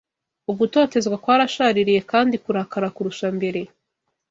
Ugutotezwa kwarashaririye kandi kurakara kurusha mbere